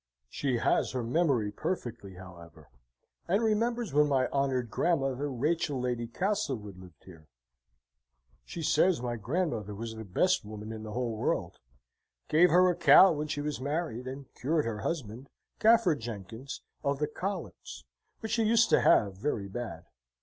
She has her memory perfectly, however, and remembers when my honoured Grandmother Rachel Lady Castlewood lived here. She says, my Grandmother was the best woman in the whole world, gave her a cow when she was married, and cured her husband, Gaffer Jenkins, of the collects, which he used to have very bad.